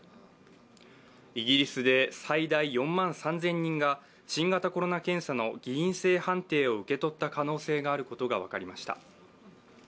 イギリスで最大４万３０００人が新型コロナ検査の偽陰性判定を受け取った可能性があることが分かりました。